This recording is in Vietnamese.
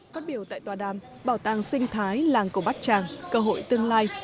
phát biểu tại tòa đàm bảo tàng sinh thái làng cổ bát tràng cơ hội tương lai